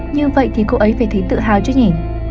như vậy thì cô ấy phải thấy tự hào cho nhỉ